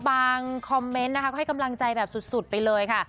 คอมเมนต์นะคะก็ให้กำลังใจแบบสุดไปเลยค่ะ